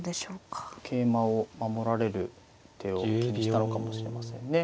桂馬を守られる手を気にしたのかもしれませんね。